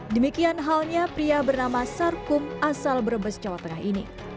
demikian halnya pria bernama sarkum asal brebes jawa tengah ini